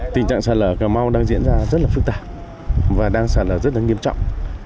tình trạng sạt lở cà mau đang diễn ra rất là phức tạp và đang sạt lở rất là nghiêm trọng